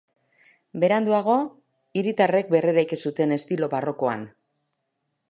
Beranduago, hiritarrek berreraiki zuten estilo barrokoan.